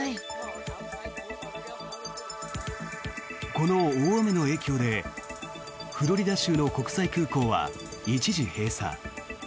この大雨の影響でフロリダ州の国際空港は一時閉鎖。